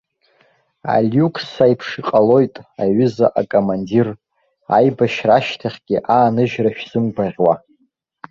Алиукс аиԥш иҟалоит, аҩыза акомандир, аибашьра ашьҭахьгьы ааныжьра шәзымгәаӷьуа.